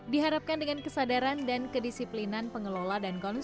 diharapkan dengan kesadaran dan kedisiplinan pengelola dan konsumen